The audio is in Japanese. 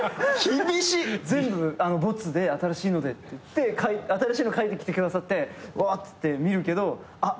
全部没で新しいのでって言って新しいの書いてきてくださってわーって見るけどあっ